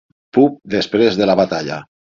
Pub després de la batalla.